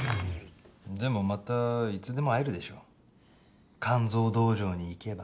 でもまたいつでも会えるでしょ肝臓道場に行けば。